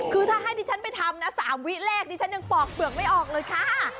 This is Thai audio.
คือถ้าให้ดิฉันไปทำนะ๓วิแรกดิฉันยังปอกเปลือกไม่ออกเลยค่ะ